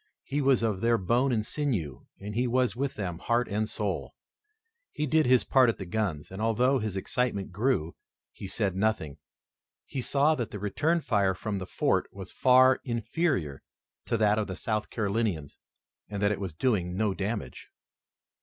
He was of their bone and sinew, and he was with them, heart and soul. He did his part at the guns, and, although his excitement grew, he said nothing. He saw that the return fire from the fort was far inferior to that of the South Carolinians, and that it was doing no damage.